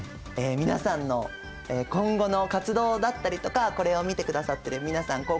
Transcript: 皆さんの今後の活動だったりとかこれを見てくださっている皆さん